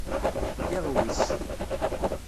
Iɣwis.